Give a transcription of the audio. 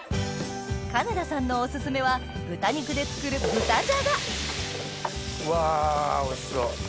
金田さんのオススメは豚肉で作る豚じゃがうわおいしそう！